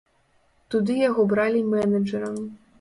Туды яго бралі менеджэрам.